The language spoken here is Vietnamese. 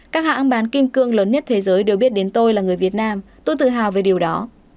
các hãng bán kim cương lớn nhất thế giới đều biết đến tôi là người việt nam tôi tự hào về điều đó